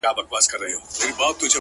ه ژوند نه و’ را تېر سومه له هر خواهیسه ‘